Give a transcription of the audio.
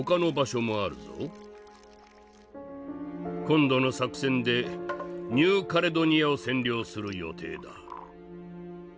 今度の作戦でニューカレドニアを占領する予定だ。